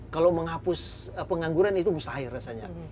kalau menghapus pengangguran itu mustahil rasanya